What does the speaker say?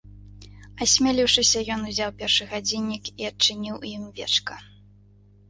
Асмеліўшыся, ён узяў першы гадзіннік і адчыніў у ім вечка.